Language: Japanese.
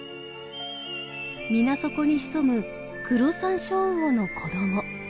水底に潜むクロサンショウウオの子ども。